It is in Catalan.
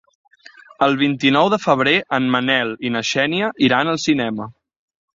El vint-i-nou de febrer en Manel i na Xènia iran al cinema.